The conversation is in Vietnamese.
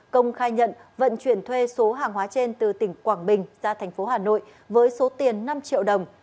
công khai nhận vận chuyển thuê số hàng hóa trên từ tỉnh quảng bình ra thành phố hà nội với số tiền năm triệu đồng